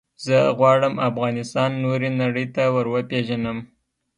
زه غواړم افغانستان نورې نړی ته وروپېژنم.